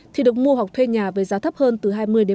thì được mua hoặc thuê nhà với giá thấp hơn từ hai mươi ba mươi